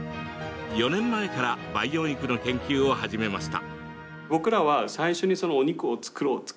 ４年前から培養肉の研究を始めました。